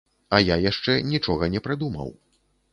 А я яшчэ нічога не прыдумаў.